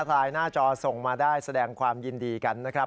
ไลน์หน้าจอส่งมาได้แสดงความยินดีกันนะครับ